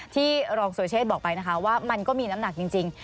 ที่รองสุรเชษฐบอกไปนะคะว่ามันก็มีน้ำหนักจริง